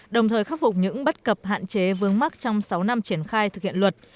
đồng thời khắc phục những bất cập hạn chế vương mắc trong sáu năm triển khai thực hiện luật